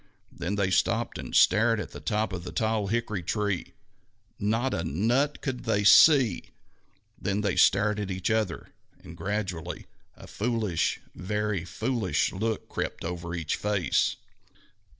Then they stopped and stared up at the top of the tall hickory tree. Not a nut could they see. Then they stared at each other, and gradually a foolish, a very foolish look crept over each face.